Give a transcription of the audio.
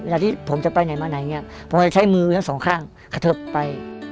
เวลาที่ผมจะไปไหนมาไหนเนี่ยปลอดภัยจะใช้มือซองข้างขเทิบไป